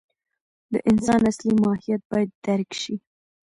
د انسان اصلي ماهیت باید درک شي.